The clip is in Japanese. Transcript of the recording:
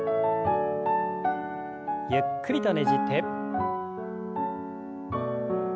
ゆっくりとねじって。